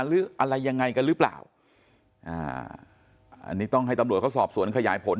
หรืออะไรยังไงกันหรือเปล่าอ่าอันนี้ต้องให้ตำรวจเขาสอบสวนขยายผล